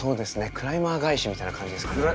クライマー返しみたいな感じですね。